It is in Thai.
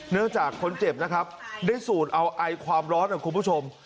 เนื่องจากคนเจ็บนะครับได้สูดเอาไอความร้อนนะคุณผู้ชม